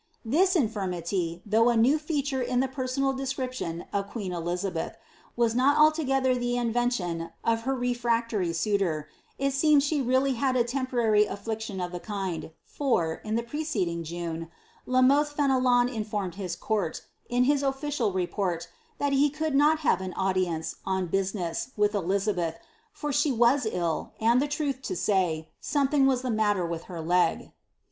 This infirmity, though a ■ Seciei Memorial of Vaual, in Fenebui'* Dupstohei. ■Ibid. BLIIABSTH. 937 new feetare in the personal description of qneen Elizabeth, was not altogether the invention of her refractory suitor; it seems she really had a temporary affliction of the kind, for, in the preceding June, La Mothe Fenelon informed his court, in his official report, that he could not have an audience, on business, with Elizabeth, for she was ill, and, the truth to say, something was the matter with her leg.